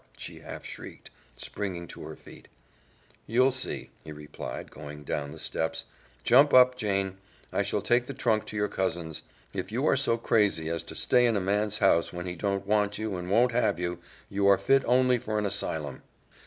she half shrieked, springing to her feet. "You'll see," he replied, going down the steps. "Jump up, Jane! I shall take the trunk to your cousin's. If you are so crazy as to stay in a man's house when he don't want you and won't have you, you are fit only for an asylum."